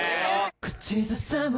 口ずさむ